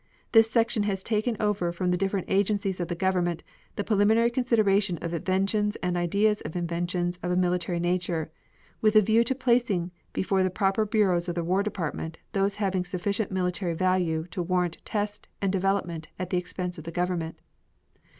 This section has taken over from the different agencies of the government the preliminary consideration of inventions and ideas of inventions of a military nature, with a view to placing before the proper bureaus of the War Department those having sufficient military value to warrant test and development at the expense of the government.